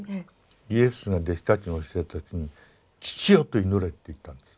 イエスが弟子たちに教えた時に父よと祈れって言ったんです。